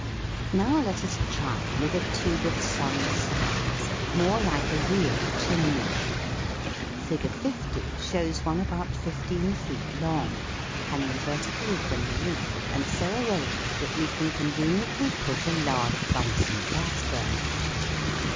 Now let us try with a tube of some size, more like a real chimney. Fig. 50 shows one about fifteen feet long, hanging vertically from the roof and so arranged that we can conveniently push a large Bunsen gas burner up it.